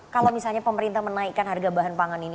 kalau misalnya pemerintah menaikkan harga bahan pangan ini